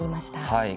はい。